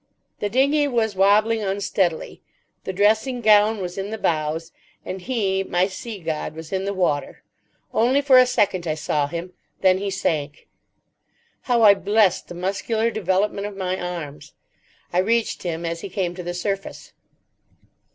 The dinghy was wobbling unsteadily. The dressing gown was in the bows; and he, my sea god, was in the water. Only for a second I saw him. Then he sank. How I blessed the muscular development of my arms. I reached him as he came to the surface.